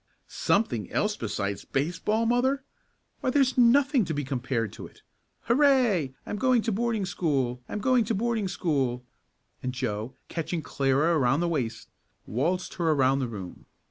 "Something else besides baseball, mother! Why, there's nothing to be compared to it. Hurray! I'm going to boarding school! I'm going to boarding school!" and Joe, catching Clara around the waist, waltzed her around the room.